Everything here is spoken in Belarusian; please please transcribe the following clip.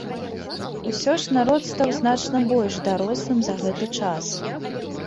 Усё ж народ стаў значна больш дарослым за гэты час.